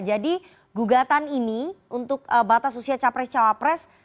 jadi gugatan ini untuk batas usia capres cawapres